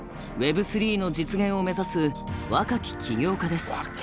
Ｗｅｂ３の実現を目指す若き起業家です。